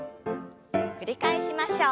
繰り返しましょう。